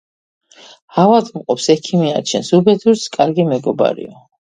ავადმყოფს ექიმი არჩენს, უბედურს ─ კარგი მეგობარიო.